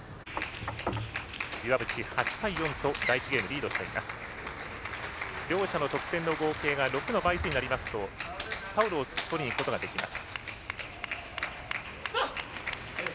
岩渕、８対４と第１ゲームリードしています。両者の得点の合計が６の倍数になりますとタオルを取りにいくことができます。